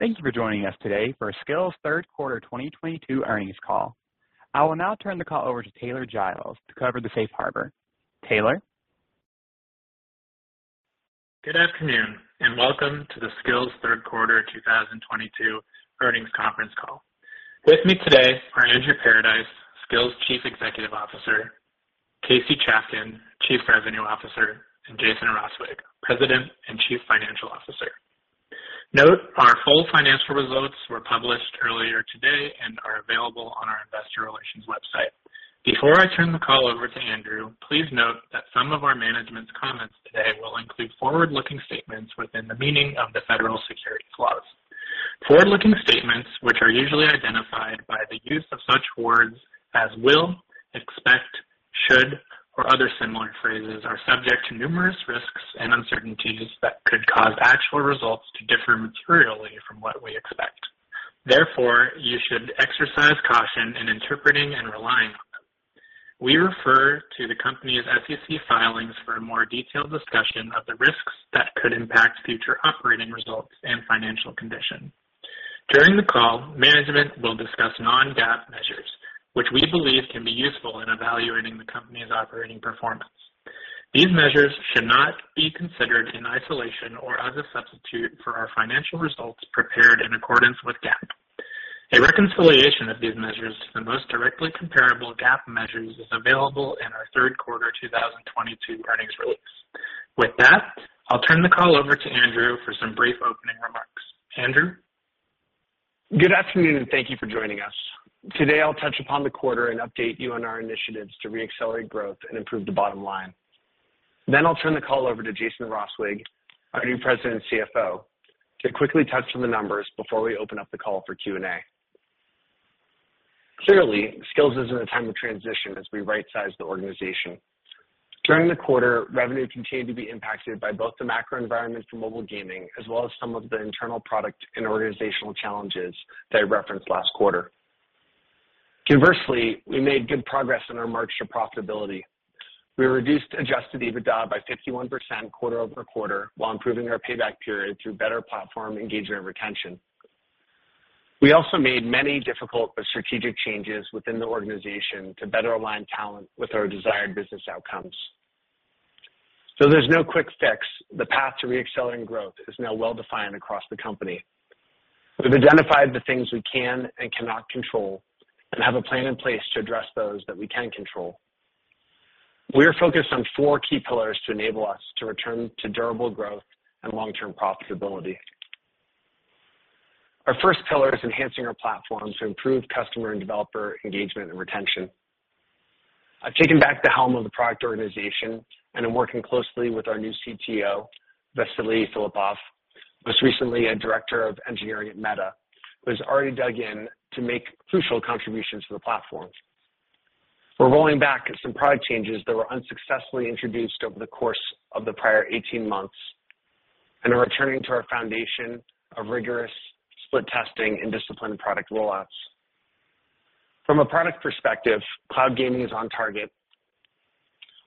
Thank you for joining us today for Skillz’s Third Quarter 2022 Earnings Call. I will now turn the call over to Taylor Giles to cover the safe harbor. Taylor. Good afternoon, and welcome to the Skillz’s Third Quarter 2022 Earnings Conference Call. With me today are Andrew Paradise, Skillz’s Chief Executive Officer, Casey Chafkin, Chief Revenue Officer, and Jason Roswig, President and Chief Financial Officer. Note, our full financial results were published earlier today and are available on our investor relations website. Before I turn the call over to Andrew, please note that some of our management's comments today will include forward-looking statements within the meaning of the federal securities laws. Forward-looking statements, which are usually identified by the use of such words as will, expect, should, or other similar phrases, are subject to numerous risks and uncertainties that could cause actual results to differ materially from what we expect. Therefore, you should exercise caution in interpreting and relying on them. We refer to the company's SEC filings for a more detailed discussion of the risks that could impact future operating results and financial condition. During the call, management will discuss non-GAAP measures, which we believe can be useful in evaluating the company's operating performance. These measures should not be considered in isolation or as a substitute for our financial results prepared in accordance with GAAP. A reconciliation of these measures to the most directly comparable GAAP measures is available in our third quarter 2022 earnings release. With that, I'll turn the call over to Andrew for some brief opening remarks. Andrew. Good afternoon, and thank you for joining us. Today, I'll touch upon the quarter and update you on our initiatives to reaccelerate growth and improve the bottom line. I'll turn the call over to Jason Roswig, our new President and CFO, to quickly touch on the numbers before we open up the call for Q&A. Clearly, Skillz is in a time of transition as we rightsize the organization. During the quarter, revenue continued to be impacted by both the macro environment for mobile gaming as well as some of the internal product and organizational challenges that I referenced last quarter. Conversely, we made good progress in our march to profitability. We reduced adjusted EBITDA by 51% quarter-over-quarter while improving our payback period through better platform engagement and retention. We also made many difficult but strategic changes within the organization to better align talent with our desired business outcomes. Though there's no quick fix, the path to reaccelerating growth is now well-defined across the company. We've identified the things we can and cannot control and have a plan in place to address those that we can control. We are focused on four key pillars to enable us to return to durable growth and long-term profitability. Our first pillar is enhancing our platform to improve customer and developer engagement and retention. I've taken back the helm of the product organization, and I'm working closely with our new CTO, Vassily Filippov, most recently a director of engineering at Meta, who has already dug in to make crucial contributions to the platform. We're rolling back some product changes that were unsuccessfully introduced over the course of the prior 18 months and are returning to our foundation of rigorous split testing and disciplined product rollouts. From a product perspective, cloud gaming is on target.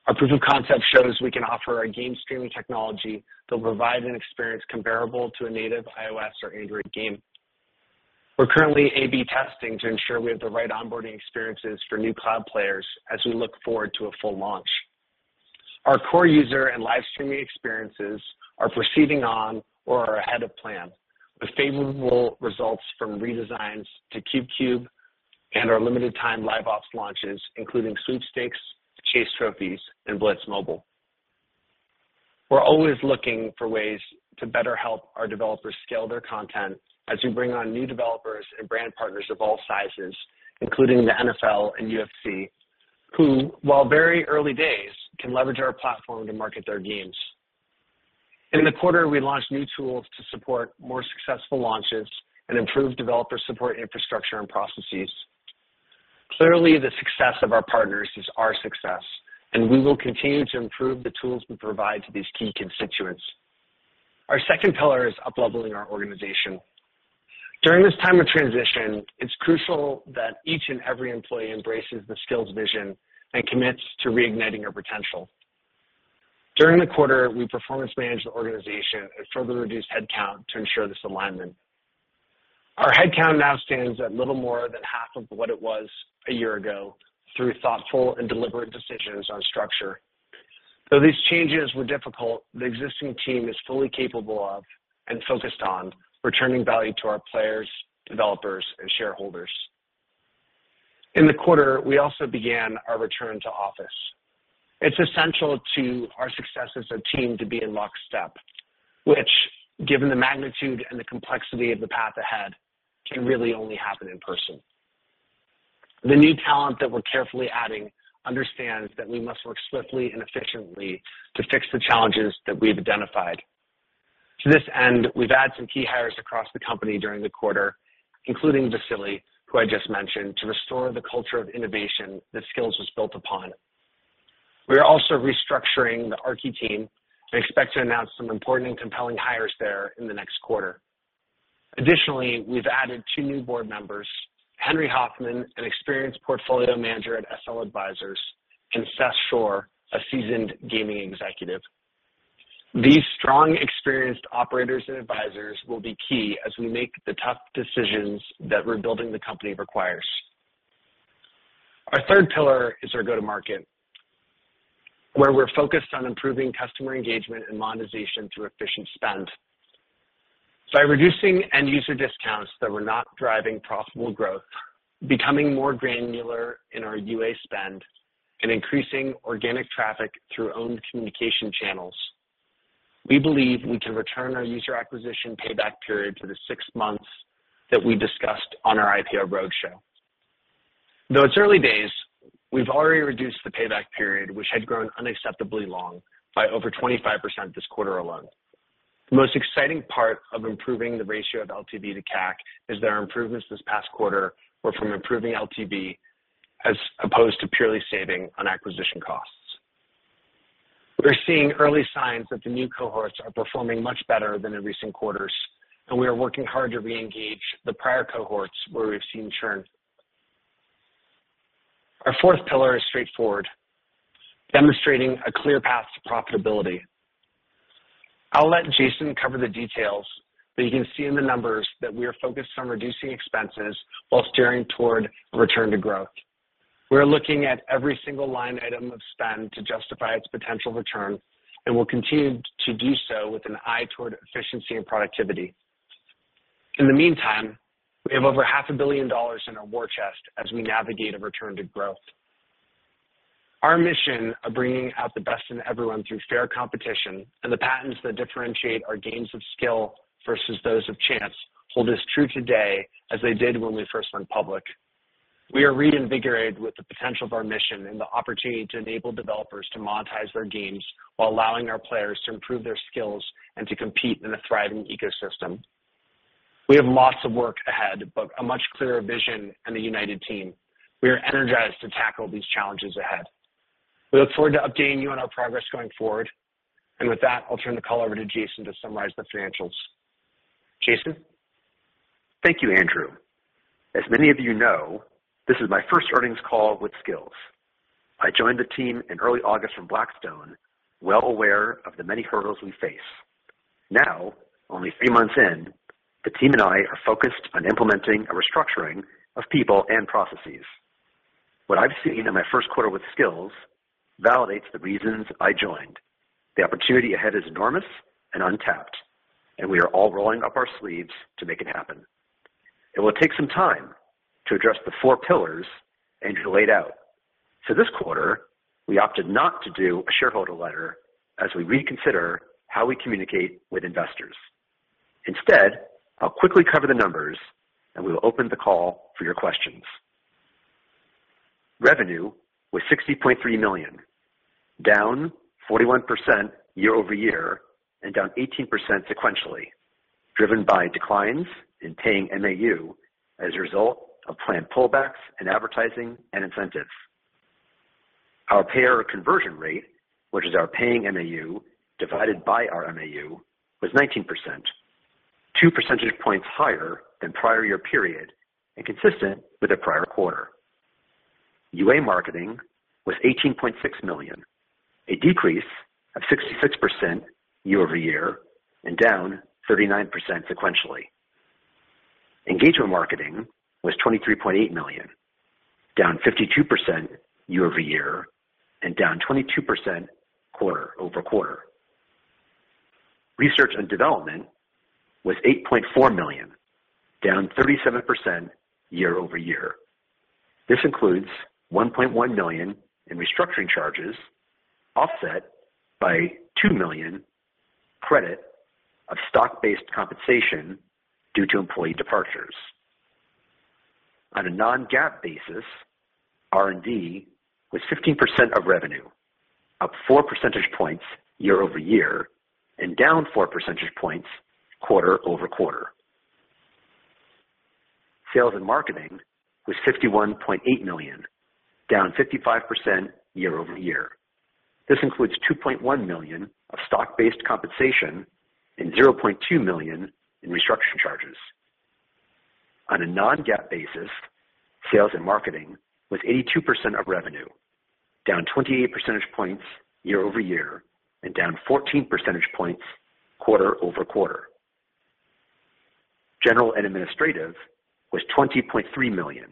Our proof of concept shows we can offer our game streaming technology that will provide an experience comparable to a native iOS or Android game. We're currently A/B testing to ensure we have the right onboarding experiences for new cloud players as we look forward to a full launch. Our core user and live streaming experiences are proceeding on or are ahead of plan, with favorable results from redesigns to Cube Cube and our limited time LiveOps launches, including sweepstakes, chase trophies, and Blitz mobile. We're always looking for ways to better help our developers scale their content as we bring on new developers and brand partners of all sizes, including the NFL and UFC, who, while very early days, can leverage our platform to market their games. In the quarter, we launched new tools to support more successful launches and improve developer support infrastructure and processes. Clearly, the success of our partners is our success, and we will continue to improve the tools we provide to these key constituents. Our second pillar is upleveling our organization. During this time of transition, it's crucial that each and every employee embraces the Skillz vision and commits to reigniting our potential. During the quarter, we performance managed the organization and further reduced headcount to ensure this alignment. Our headcount now stands at little more than half of what it was a year ago through thoughtful and deliberate decisions on structure. Though these changes were difficult, the existing team is fully capable of and focused on returning value to our players, developers, and shareholders. In the quarter, we also began our return to office. It's essential to our success as a team to be in lockstep, which given the magnitude and the complexity of the path ahead, can really only happen in person. The new talent that we're carefully adding understands that we must work swiftly and efficiently to fix the challenges that we have identified. To this end, we've added some key hires across the company during the quarter, including Vasily, who I just mentioned, to restore the culture of innovation that Skillz was built upon. We are also restructuring the Aarki team and expect to announce some important and compelling hires there in the next quarter. Additionally, we've added two new board members, Henry Hoffman, an experienced portfolio manager at SL Advisors, and Seth Schorr, a seasoned gaming executive. These strong, experienced operators and advisors will be key as we make the tough decisions that rebuilding the company requires. Our third pillar is our go-to-market, where we're focused on improving customer engagement and monetization through efficient spend. By reducing end user discounts that were not driving profitable growth, becoming more granular in our UA spend, and increasing organic traffic through owned communication channels, we believe we can return our user acquisition payback period to the six months that we discussed on our IPO roadshow. Though it's early days, we've already reduced the payback period, which had grown unacceptably long, by over 25% this quarter alone. The most exciting part of improving the ratio of LTV to CAC is that our improvements this past quarter were from improving LTV as opposed to purely saving on acquisition costs. We're seeing early signs that the new cohorts are performing much better than in recent quarters, and we are working hard to reengage the prior cohorts where we've seen churn. Our fourth pillar is straightforward, demonstrating a clear path to profitability. I'll let Jason cover the details, but you can see in the numbers that we are focused on reducing expenses while steering toward a return to growth. We are looking at every single line item of spend to justify its potential return, and we'll continue to do so with an eye toward efficiency and productivity. In the meantime, we have over $500 million in our war chest as we navigate a return to growth. Our mission of bringing out the best in everyone through fair competition and the patents that differentiate our games of skill versus those of chance hold as true today as they did when we first went public. We are reinvigorated with the potential of our mission and the opportunity to enable developers to monetize their games while allowing our players to improve their skills and to compete in a thriving ecosystem. We have lots of work ahead, but a much clearer vision and a united team. We are energized to tackle these challenges ahead. We look forward to updating you on our progress going forward. With that, I'll turn the call over to Jason to summarize the financials. Jason? Thank you, Andrew. As many of you know, this is my first earnings call with Skillz. I joined the team in early August from Blackstone, well aware of the many hurdles we face. Now, only three months in, the team and I are focused on implementing a restructuring of people and processes. What I've seen in my first quarter with Skillz validates the reasons I joined. The opportunity ahead is enormous and untapped, and we are all rolling up our sleeves to make it happen. It will take some time to address the four pillars Andrew laid out. For this quarter, we opted not to do a shareholder letter as we reconsider how we communicate with investors. Instead, I'll quickly cover the numbers, and we will open the call for your questions. Revenue was $60.3 million, down 41% year-over-year and down 18% sequentially, driven by declines in paying MAU as a result of planned pullbacks in advertising and incentives. Our payer conversion rate, which is our paying MAU divided by our MAU, was 19%, two percentage points higher than prior year period and consistent with the prior quarter. UA marketing was $18.6 million, a decrease of 66% year-over-year and down 39% sequentially. Engagement marketing was $23.8 million, down 52% year-over-year and down 22% quarter-over-quarter. Research and development was $8.4 million, down 37% year-over-year. This includes $1.1 million in restructuring charges, offset by $2 million credit of stock-based compensation due to employee departures. On a non-GAAP basis, R&D was 15% of revenue, up four percentage points year-over-year and down four percentage points quarter-over-quarter. Sales and marketing was $51.8 million, down 55% year-over-year. This includes $2.1 million of stock-based compensation and $200,000 in restructuring charges. On a non-GAAP basis, sales and marketing was 82% of revenue, down 28 percentage points year-over-year and down 14 percentage points quarter-over-quarter. General and administrative was $20.3 million,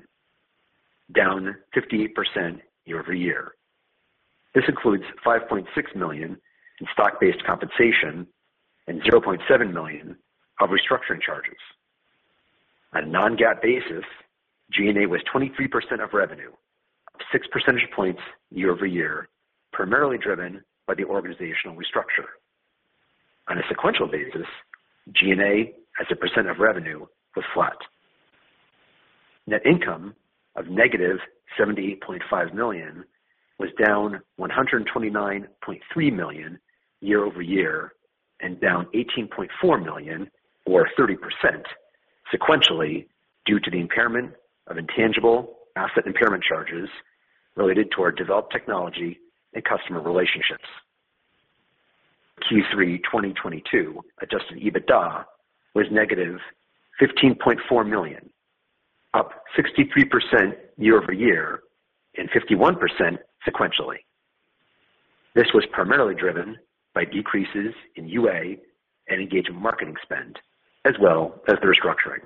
down 58% year-over-year. This includes $5.6 million in stock-based compensation and $700,000 of restructuring charges. On a non-GAAP basis, G&A was 23% of revenue, up six percentage points year-over-year, primarily driven by the organizational restructure. On a sequential basis, G&A as a percent of revenue was flat. Net income of -$78.5 million was down $129.3 million year-over-year and down $18.4 million or 30% sequentially due to the impairment of intangible asset impairment charges related to our developed technology and customer relationships. Q3 2022 adjusted EBITDA was -$15.4 million, up 63% year-over-year and 51% sequentially. This was primarily driven by decreases in UA and engagement marketing spend as well as the restructuring.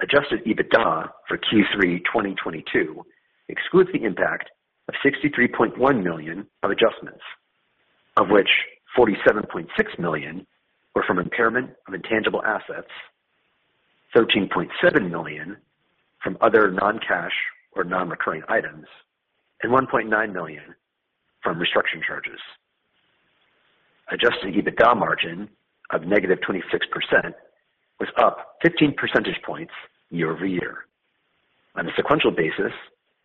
Adjusted EBITDA for Q3 2022 excludes the impact of $63.1 million of adjustments, of which $47.6 million were from impairment of intangible assets, $13.7 million from other non-cash or non-recurring items, and $1.9 million from restructuring charges. Adjusted EBITDA margin of -26% was up 15 percentage points year-over-year. On a sequential basis,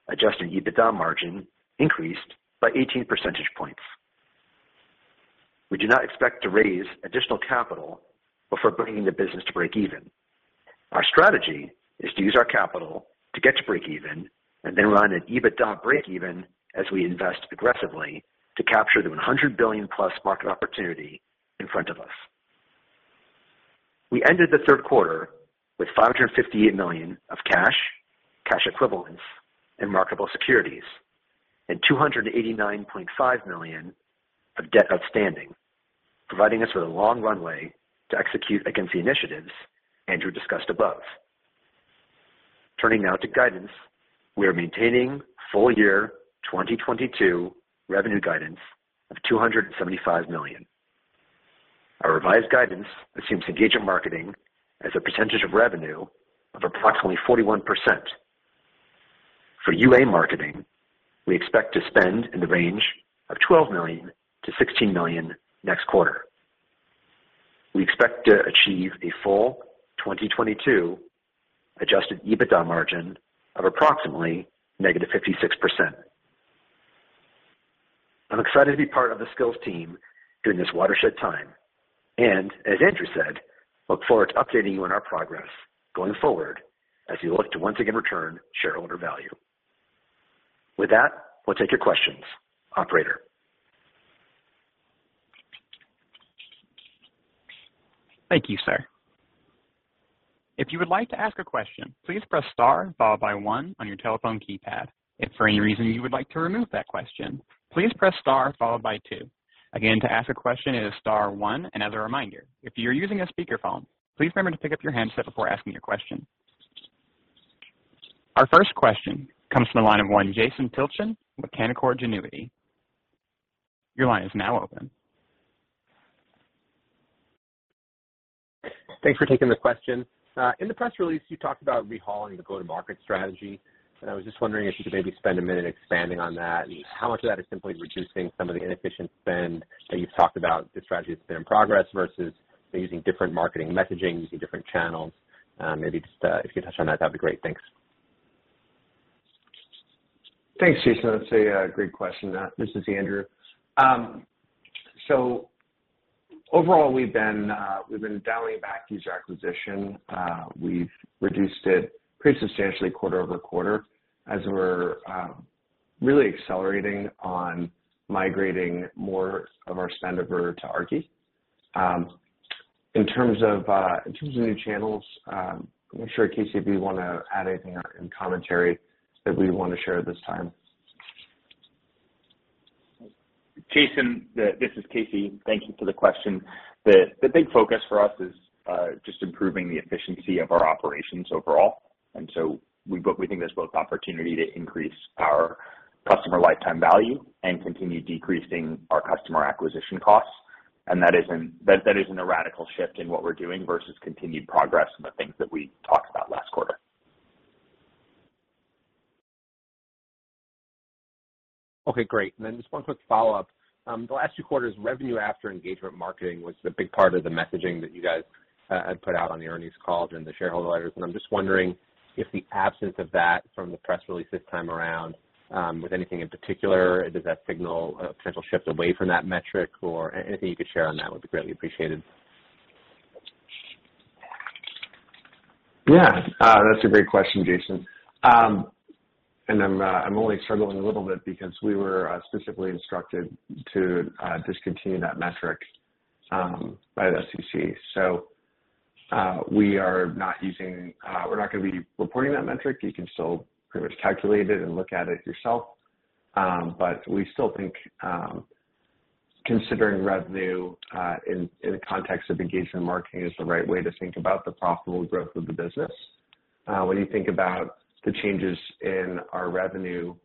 adjusted EBITDA margin increased by 18 percentage points. We do not expect to raise additional capital before bringing the business to breakeven. Our strategy is to use our capital to get to breakeven and then run an EBITDA breakeven as we invest aggressively to capture the $100 billion+ market opportunity in front of us. We ended the third quarter with $558 million of cash, cash equivalents, and marketable securities, and $289.5 million of debt outstanding, providing us with a long runway to execute against the initiatives Andrew discussed above. Turning now to guidance. We are maintaining full year 2022 revenue guidance of $275 million. Our revised guidance assumes engagement marketing as a percentage of revenue of approximately 41%. For UA marketing, we expect to spend in the range of $12 million-$16 million next quarter. We expect to achieve a full 2022 adjusted EBITDA margin of approximately -56%. I'm excited to be part of the Skillz team during this watershed time and as Andrew said, look forward to updating you on our progress going forward as we look to once again return shareholder value. With that, we'll take your questions. Operator. Thank you, sir. If you would like to ask a question, please press star followed by one on your telephone keypad. If for any reason you would like to remove that question, please press star followed by two. Again, to ask a question it is star one. As a reminder, if you're using a speakerphone, please remember to pick up your handset before asking your question. Our first question comes from the line of Jason Tilchen with Canaccord Genuity. Your line is now open. Thanks for taking the question. In the press release you talked about overhauling the go-to-market strategy, and I was just wondering if you could maybe spend a minute expanding on that and how much of that is simply reducing some of the inefficient spend that you've talked about the strategy that's been in progress versus using different marketing messaging, using different channels. Maybe just, if you could touch on that'd be great. Thanks. Thanks, Jason. That's a great question. This is Andrew. Overall, we've been dialing back user acquisition. We've reduced it pretty substantially quarter-over-quarter as we're really accelerating on migrating more of our spend over to Aarki. In terms of new channels, I'm sure, Casey, if you want to add anything in commentary that we want to share at this time. Jason, this is Casey. Thank you for the question. The big focus for us is just improving the efficiency of our operations overall. We think there's both opportunity to increase our customer lifetime value and continue decreasing our customer acquisition costs. That isn't a radical shift in what we're doing versus continued progress in the things that we talked about last quarter. Okay, great. Just one quick follow-up. The last two quarters, revenue after engagement marketing was the big part of the messaging that you guys had put out on the earnings calls and the shareholder letters. I'm just wondering if the absence of that from the press release this time around was anything in particular. Does that signal a potential shift away from that metric? Or anything you could share on that would be greatly appreciated. Yeah, that's a great question, Jason. I'm only struggling a little bit because we were specifically instructed to discontinue that metric by the SEC. We're not going to be reporting that metric. You can still pretty much calculate it and look at it yourself. We still think considering revenue in the context of engagement marketing is the right way to think about the profitable growth of the business. When you think about the changes in our revenue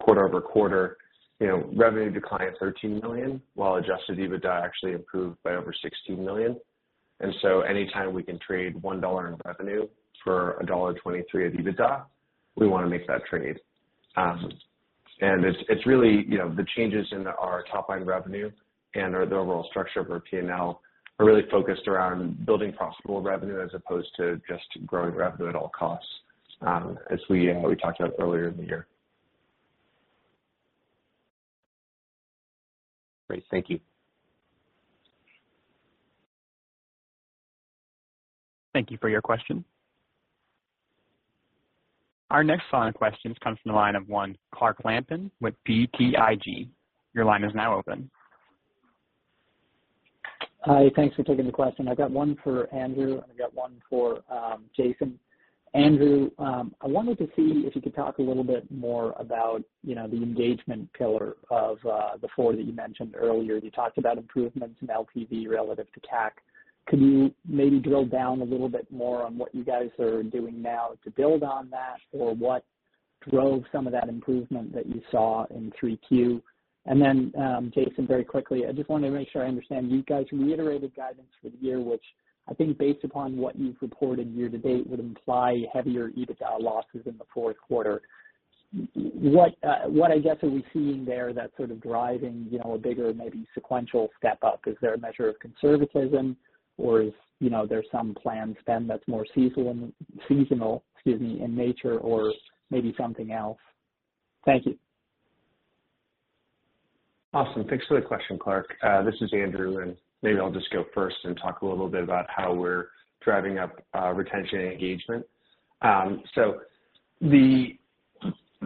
quarter-over-quarter, you know, revenue declined $13 million, while adjusted EBITDA actually improved by over $16 million. Anytime we can trade $1 in revenue for $1.23 of EBITDA, we want to make that trade. It's really, you know, the changes in our top line revenue and the overall structure of our P&L are really focused around building profitable revenue as opposed to just growing revenue at all costs, as what we talked about earlier in the year. Great. Thank you. Thank you for your question. Our next final question comes from the line of one Clark Lampen with BTIG. Your line is now open. Hi. Thanks for taking the question. I've got one for Andrew and I've got one for Jason. Andrew, I wanted to see if you could talk a little bit more about, you know, the engagement pillar of the four that you mentioned earlier. You talked about improvements in LTV relative to CAC. Can you maybe drill down a little bit more on what you guys are doing now to build on that or what drove some of that improvement that you saw in 3Q? Jason, very quickly, I just wanted to make sure I understand. You guys reiterated guidance for the year, which I think based upon what you've reported year-to-date, would imply heavier EBITDA losses in the fourth quarter. What, I guess, are we seeing there that sort of driving, you know, a bigger maybe sequential step up? Is there a measure of conservatism or is, you know, there some planned spend that's more seasonal, excuse me, in nature or maybe something else? Thank you. Awesome. Thanks for the question, Clark. This is Andrew, and maybe I'll just go first and talk a little bit about how we're driving up retention and engagement.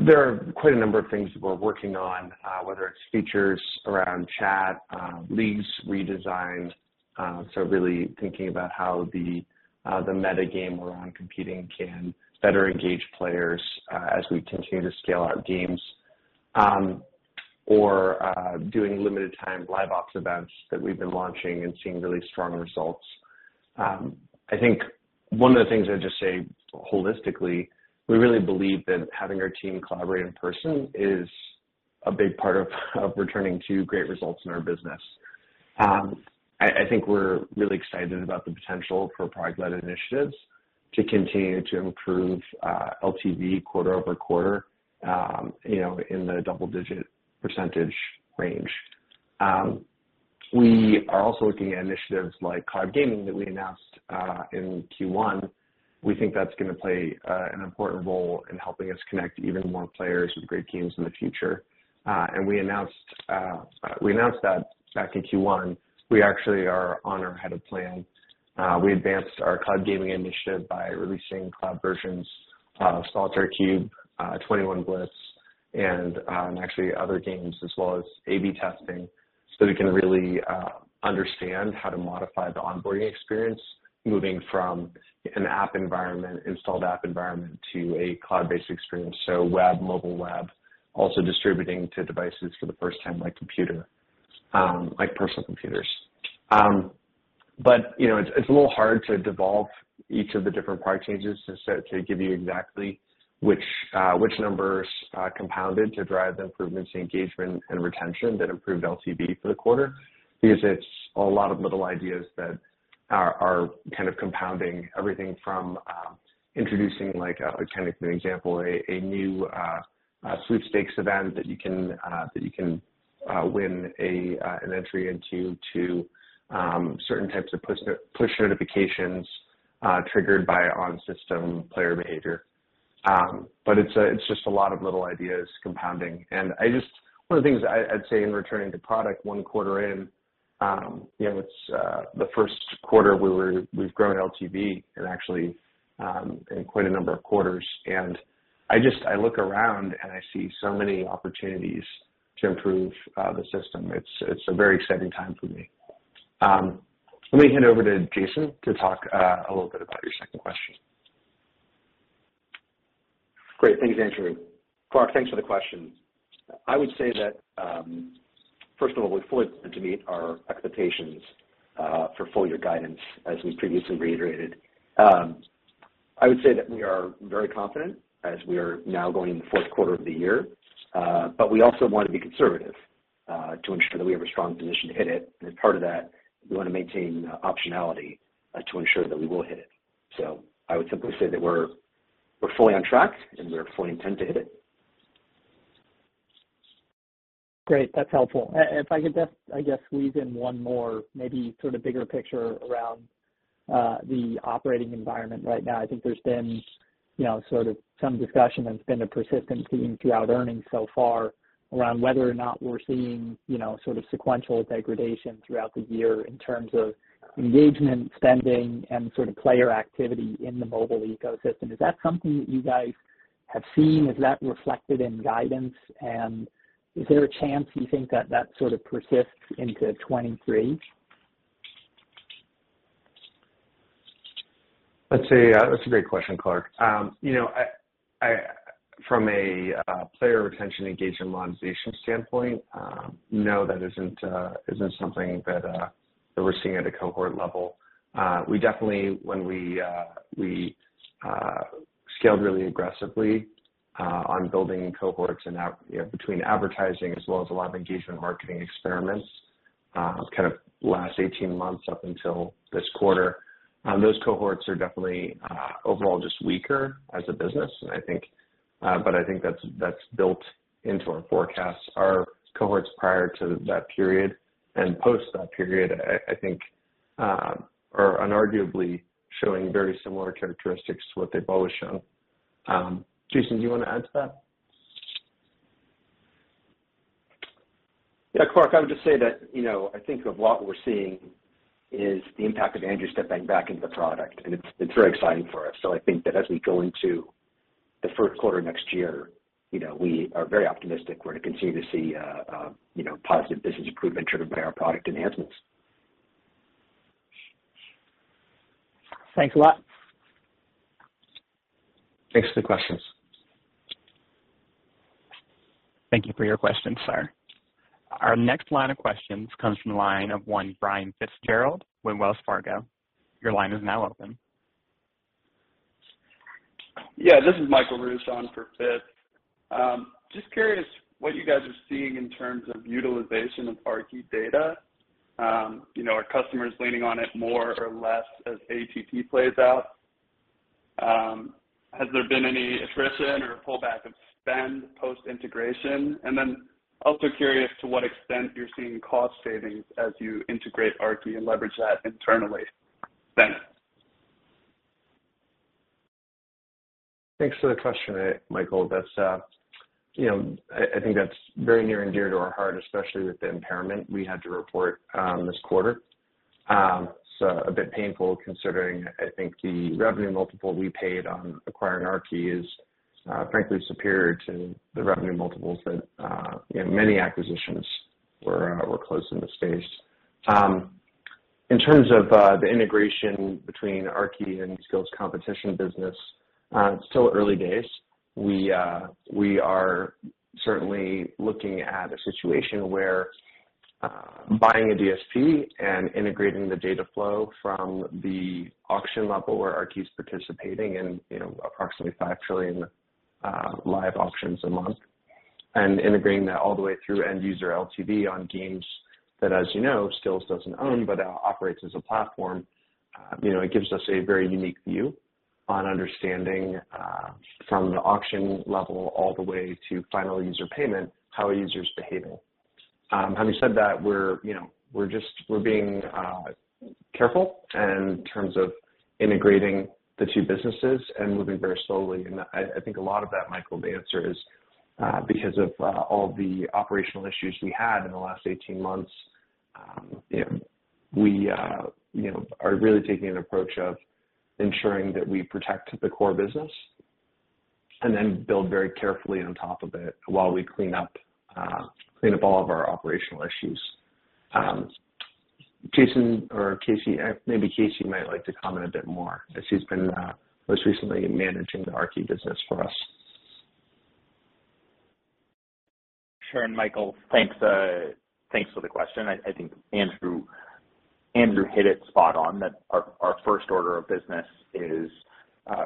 There are quite a number of things that we're working on, whether it's features around chat, leagues redesigned. Really thinking about how the meta game around competing can better engage players as we continue to scale our games. Or doing limited time LiveOps events that we've been launching and seeing really strong results. I think one of the things I'd just say holistically, we really believe that having our team collaborate in person is a big part of returning to great results in our business. I think we're really excited about the potential for product-led initiatives to continue to improve LTV quarter-over-quarter, you know, in the double-digit percentage range. We are also looking at initiatives like cloud gaming that we announced in Q1. We think that's gonna play an important role in helping us connect even more players with great games in the future. We announced that back in Q1. We actually are ahead of plan. We advanced our cloud gaming initiative by releasing cloud versions of Solitaire Cube, 21 Blitz and actually other games as well as A/B testing, so we can really understand how to modify the onboarding experience moving from an app environment, installed app environment, to a cloud-based experience. Web, mobile web, also distributing to devices for the first time, like computer, like personal computers. You know, it's a little hard to devolve each of the different product changes to give you exactly which numbers compounded to drive the improvements in engagement and retention that improved LTV for the quarter, because it's a lot of little ideas that are kind of compounding everything from introducing, like, kind of an example, a new sweepstakes event that you can win an entry into, to certain types of push notifications triggered by in-system player behavior. It's just a lot of little ideas compounding. One of the things I'd say in returning to product one quarter in, you know, it's the first quarter we've grown LTV and actually in quite a number of quarters. I look around and I see so many opportunities to improve the system. It's a very exciting time for me. Let me hand over to Jason to talk a little bit about your second question. Great. Thanks, Andrew. Clark, thanks for the question. I would say that, first of all, we're fully intended to meet our expectations, for full year guidance as we previously reiterated. I would say that we are very confident as we are now going in the fourth quarter of the year, but we also want to be conservative, to ensure that we have a strong position to hit it. As part of that, we wanna maintain optionality, to ensure that we will hit it. I would simply say that we're fully on track and we're fully intend to hit it. Great. That's helpful. And if I could just, I guess, squeeze in one more maybe sort of bigger picture around the operating environment right now. I think there's been, you know, sort of some discussion that's been a persistent theme throughout earnings so far around whether or not we're seeing, you know, sort of sequential degradation throughout the year in terms of engagement, spending, and sort of player activity in the mobile ecosystem. Is that something that you guys have seen? Is that reflected in guidance? Is there a chance you think that that sort of persists into 2023? I'd say, that's a great question, Clark. You know, from a player retention engagement monetization standpoint, no, that isn't something that we're seeing at a cohort level. We definitely scaled really aggressively on building cohorts and advertising as well as a lot of engagement marketing experiments, kind of last 18 months up until this quarter. Those cohorts are definitely overall just weaker as a business. I think that's built into our forecasts. Our cohorts prior to that period and post that period, I think, are unarguably showing very similar characteristics to what they've always shown. Jason, do you wanna add to that? Yeah, Clark, I would just say that, you know, I think a lot we're seeing is the impact of Andrew stepping back into the product, and it's very exciting for us. I think that as we go into the first quarter next year, you know, we are very optimistic we're gonna continue to see, you know, positive business improvement driven by our product enhancements. Thanks a lot. Thanks for the questions. Thank you for your question, sir. Our next question comes from the line of Brian FitzGerald with Wells Fargo. Your line is now open. Yeah, this is Michael Ruch for Fit. Just curious what you guys are seeing in terms of utilization of Aarki data. You know, are customers leaning on it more or less as ATT plays out? Has there been any attrition or pullback of spend post-integration? Also curious, to what extent you're seeing cost savings as you integrate Aarki and leverage that internally. Thanks. Thanks for the question, Michael. That's, you know, I think that's very near and dear to our heart, especially with the impairment we had to report this quarter. A bit painful considering I think the revenue multiple we paid on acquiring Aarki is, frankly superior to the revenue multiples that, you know, many acquisitions were close in the space. In terms of, the integration between Aarki and Skillz competition business, it's still early days. We are certainly looking at a situation where, buying a DSP and integrating the data flow from the auction level where Aarki's participating in, you know, approximately five trillion live auctions a month, and integrating that all the way through end user LTV on games that, as you know, Skillz doesn't own, but, operates as a platform. You know, it gives us a very unique view on understanding from the auction level all the way to final user payment, how a user's behaving. Having said that, we're, you know, being careful in terms of integrating the two businesses and moving very slowly. I think a lot of that, Michael, the answer is because of all the operational issues we had in the last 18 months. You know, we are really taking an approach of ensuring that we protect the core business and then build very carefully on top of it while we clean up all of our operational issues. Jason or Casey, maybe Casey might like to comment a bit more as he's been most recently managing the Aarki business for us. Sure. Michael, thanks for the question. I think Andrew hit it spot on that our first order of business is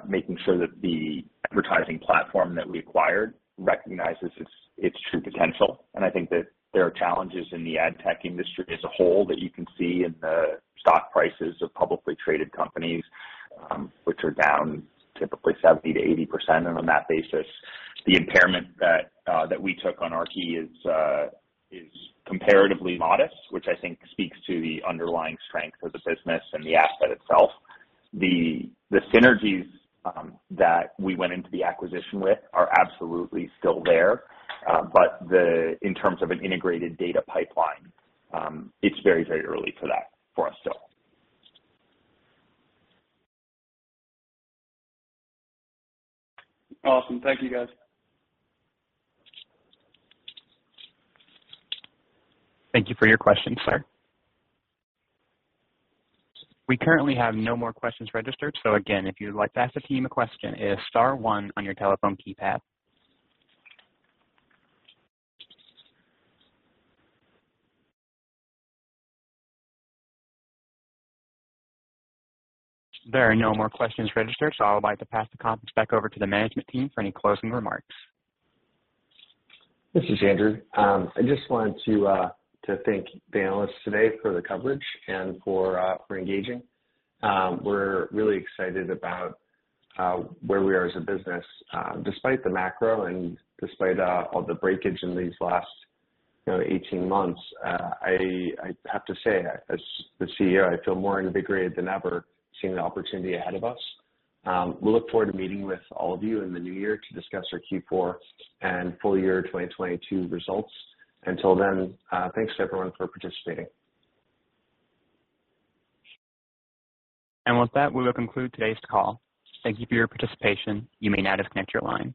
making sure that the advertising platform that we acquired recognizes its true potential. I think that there are challenges in the ad tech industry as a whole that you can see in the stock prices of publicly traded companies, which are down typically 70%-80%. On that basis, the impairment that we took on Aarki is comparatively modest, which I think speaks to the underlying strength of the business and the asset itself. The synergies that we went into the acquisition with are absolutely still there. But in terms of an integrated data pipeline, it's very early for that for us still. Awesome. Thank you, guys. Thank you for your question, sir. We currently have no more questions registered, so again, if you'd like to ask the team a question, it is star one on your telephone keypad. There are no more questions registered, so I would like to pass the conference back over to the management team for any closing remarks. This is Andrew. I just wanted to thank the analysts today for the coverage and for engaging. We're really excited about where we are as a business, despite the macro and despite all the breakage in these last, you know, 18 months. I have to say, as the CEO, I feel more invigorated than ever seeing the opportunity ahead of us. We look forward to meeting with all of you in the new year to discuss our Q4 and full year 2022 results. Until then, thanks everyone for participating. With that, we will conclude today's call. Thank you for your participation. You may now disconnect your line.